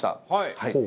はい。